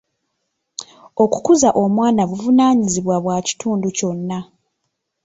Okukuza omwana buvunaanyizibwa bwa kitundu kyonna.